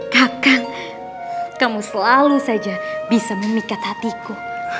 kakak kamu selalu saja bisa memikat hatiku